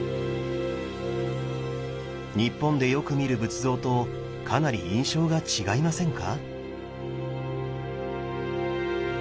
日本でよく見る仏像とかなり印象が違いませんか？